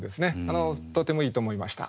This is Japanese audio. とてもいいと思いました。